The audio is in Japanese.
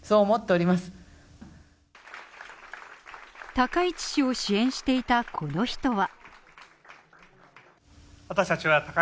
高市氏を支援していたこの人は。